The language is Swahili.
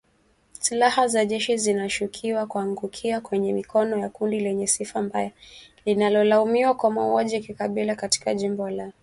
Silaha za jeshi zinashukiwa kuangukia kwenye mikono ya kundi lenye sifa mbaya linalolaumiwa kwa mauaji ya kikabila katika jimbo la kaskazini mashariki la Ituri